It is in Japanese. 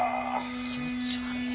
気持ち悪い。